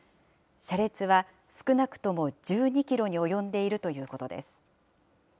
車列は少なくとも１２キロに及んでいるということです。